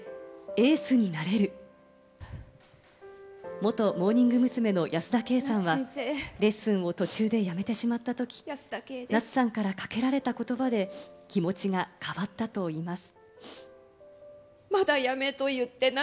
元モーニング娘。の保田圭さんはレッスンを途中でやめてしまったとき、夏さんからかけられた言葉で気持ちが変わったといいます。